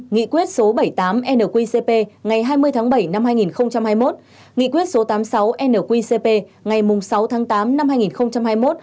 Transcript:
nghị quyết số bảy mươi tám nqcp ngày hai mươi tháng bảy năm hai nghìn hai mươi một nghị quyết số tám mươi sáu nqcp ngày sáu tháng tám năm hai nghìn hai mươi một